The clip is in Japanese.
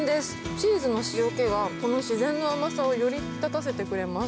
チーズの塩気がこの自然の甘さをより引き立たせてくれます。